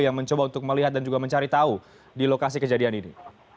yang mencoba untuk melihat dan juga mencari tahu di lokasi kejadian ini